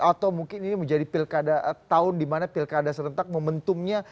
atau mungkin ini menjadi pilkada tahun di mana pilkada serentak momentumnya